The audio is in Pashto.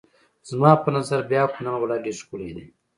زما په نظر بیا کونړ ولایت ډېر ښکلی دی.